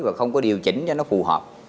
và không có điều chỉnh cho nó phù hợp